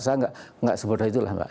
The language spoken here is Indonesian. saya tidak sebutkan itulah mbak